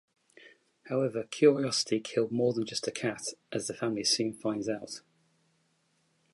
However curiosity killed more than just a cat, as the family soon finds out.